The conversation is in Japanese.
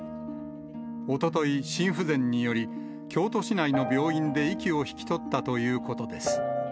おととい、心不全により京都市内の病院で息を引き取ったということです。